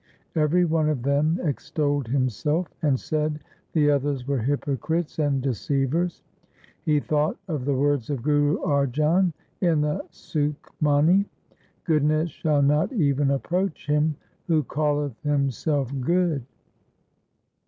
Every one of them extolled him self, and said the others were hypocrites and de ceivers. He thought of the words of Guru Arjan in the Sukhmani :— Goodness shall not even approach him Who calleth himself good.